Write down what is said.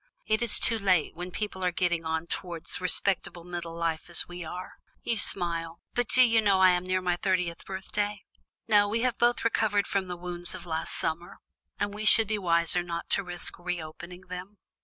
It is too late, when people are getting on towards respectable middle life as we are. You smile, but do you know I am near my thirtieth birthday? No, we have both recovered from the wounds of last summer, and we should be wiser not to risk reopening them."